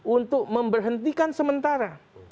untuk memberhentikan sementara